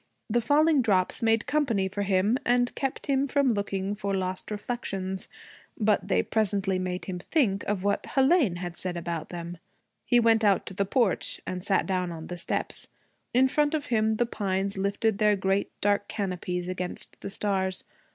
The falling drops made company for him, and kept him from looking for lost reflections. But they presently made him think of what Hélène had said about them. He went out to the porch and sat down on the steps. In front of him the pines lifted their great dark canopies against the stars.